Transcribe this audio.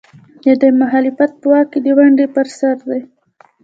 د دوی مخالفت په واک کې د ونډې پر سر دی.